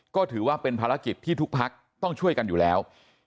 ก็ถือว่าเป็นภารกิจที่ทุกพักต้องช่วยกันอยู่แล้ว